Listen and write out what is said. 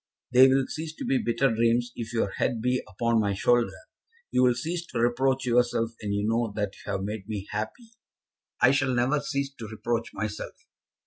"They will cease to be bitter dreams if your head be upon my shoulder. You will cease to reproach yourself when you know that you have made me happy." "I shall never cease to reproach myself.